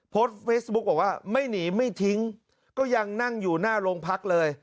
โพสต์เฟซบุ๊กบอกว่าไม่หนีไม่ทิ้งก็ยังนั่งอยู่หน้าโรงพักเลย